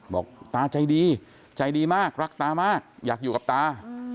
บอกตาใจดีใจดีมากรักตามากอยากอยู่กับตา